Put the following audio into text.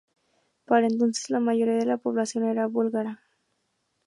Para entonces, la mayoría de la población era búlgara.